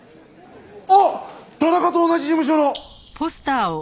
あっ田中と同じ事務所の！